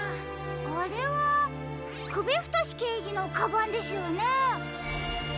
あれはくびふとしけいじのカバンですよね？